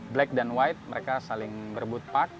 black dan white mereka saling berbut park